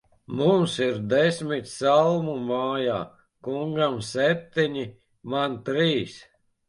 Mums ir desmit salmu mājā; kungam septiņi, man trīs.